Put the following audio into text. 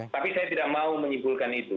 tapi saya tidak mau menyimpulkan itu